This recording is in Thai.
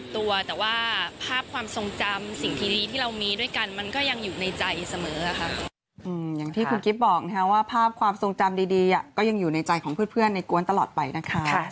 แต่ว่าภาพความทรงจำสิ่งที่ดีที่เรามีด้วยกันมันก็ยังอยู่ในใจเสมอค่ะอย่างที่คุณกิ๊บบอกว่าภาพความทรงจำดีก็ยังอยู่ในใจของเพื่อนในกวนตลอดไปนะคะ